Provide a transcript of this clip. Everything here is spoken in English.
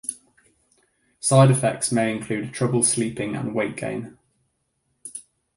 Side effects may include trouble sleeping and weight gain.